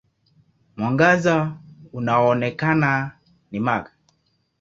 Mwangaza unaoonekana ni mag.